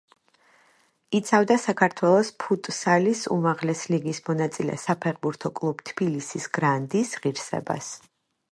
იცავდა საქართველოს ფუტსალის უმაღლესი ლიგის მონაწილე საფეხბურთო კლუბ თბილისის „გრანდის“ ღირსებას.